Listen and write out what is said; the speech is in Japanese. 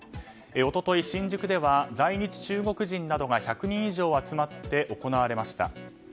一昨日、新宿では在日中国人などが１００人以上集まって行われました。